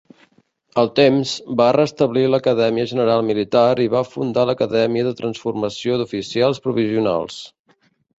Al temps, va restablir l'Acadèmia General Militar i va fundar l'Acadèmia de Transformació d'Oficials Provisionals.